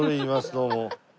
どうも。